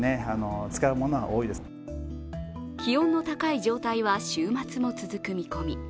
気温の高い状態は週末も続く見込み。